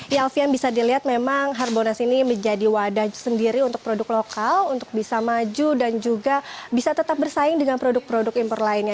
ya alfian bisa dilihat memang harbonas ini menjadi wadah sendiri untuk produk lokal untuk bisa maju dan juga bisa tetap bersaing dengan produk produk impor lainnya